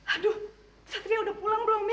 aduh satria udah pulang belum nih